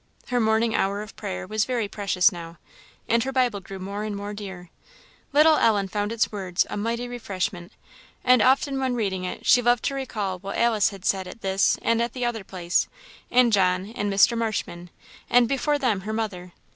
Her morning hour of prayer was very precious now; and her Bible grew more and more dear. Little Ellen found its words a mighty refreshment; and often when reading it she loved to recall what Alice had said at this and the other place, and John, and Mr. Marshman, and before them her mother.